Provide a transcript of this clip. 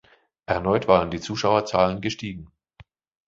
Erneut waren die Zuschauerzahlen gestiegen.